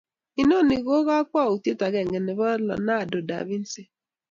inoni ko kakwautiet agenge nepo Leonardo Da Vinci.